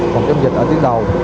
phòng chống dịch ở tiến đầu